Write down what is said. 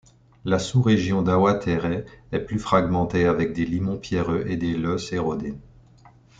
La sous-région d'Awatere est plus fragmentée, avec des limons pierreux et des lœss érodés.